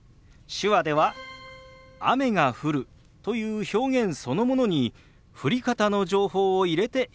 手話では「雨が降る」という表現そのものに降り方の情報を入れて表現するんです。